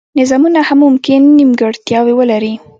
نظامونه هم ممکن نیمګړتیاوې ولري.